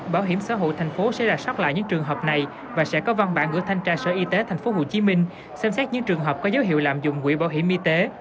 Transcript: bảo hiểm xã hội tp hcm sẽ rà soát lại những trường hợp này và sẽ có văn bản gửi thanh tra sở y tế tp hcm xem xét những trường hợp có dấu hiệu lạm dụng quỹ bảo hiểm y tế